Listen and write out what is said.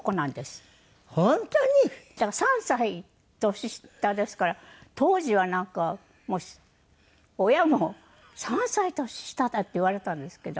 だから３歳年下ですから当時はなんか親も「３歳年下だ」って言われたんですけど。